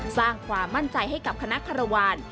สร้างความมั่นใจให้กับคณะคารวาล